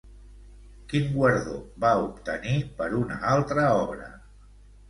Quin guardó va obtenir per una altra obra?